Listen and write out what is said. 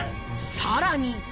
さらに